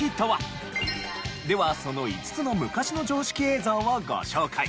ではその５つの昔の常識映像をご紹介。